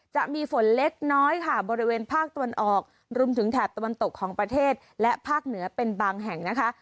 จะมีฝนเล็กน้อยค่ะบริเวณภาคตะวันออกรวมถึงแถบตะวันตกของประเทศและภาคเหนือเป็นบางแห่งนะคะ